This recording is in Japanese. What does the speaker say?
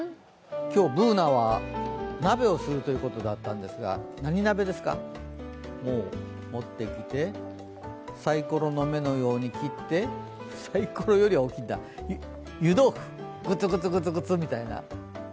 今日、Ｂｏｏｎａは鍋をするということだったんですが、何鍋ですか、持ってきて、さいころの目のように切って、さいころよりは大きいんだ、湯豆腐グツグツ、みたいな。